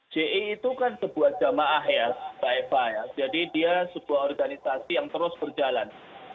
ce itu kan sebuah jamaah akhir jadi dia sebuah organisasi yang terus berjalan